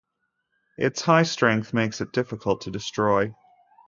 Its high strength makes it difficult to destroy.